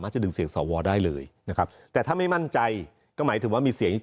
จะดึงจาก๑๐พักเข้ามา